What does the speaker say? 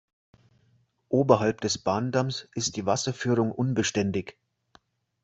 Oberhalb des Bahndamms ist die Wasserführung unbeständig.